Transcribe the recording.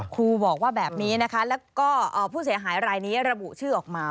ครูบอกว่าแบบนี้นะคะแล้วก็ผู้เสียหายรายนี้ระบุชื่อออกมา